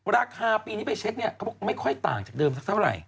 ราคาปีนี้ไปเช็คเนี่ยเขาบอกไม่ค่อยต่างจากเดิมสักเท่าไหร่